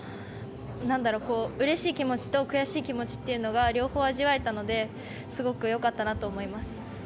うれしい気持ちと悔しい気持ちというのが両方味わえたのですごくよかったなって思います。